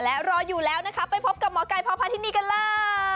และรออยู่แล้วนะคะไปพบกับหมอไก่พ่อพาทินีกันเลย